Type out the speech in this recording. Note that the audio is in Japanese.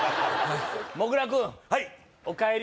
もぐら君おかえり